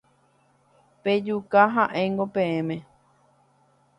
Pejuka ha'éngo peẽme.